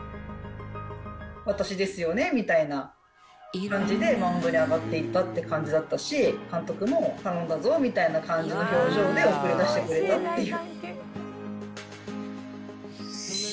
私ですよねみたいな感じで、マウンドに上がっていったっていう感じだったし、監督も頼んだぞみたいな感じの表情で送り出してくれたっていう。